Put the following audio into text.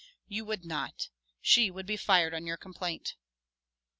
You would not! She would be fired on your complaint."